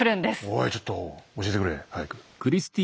おいちょっと教えてくれ早く。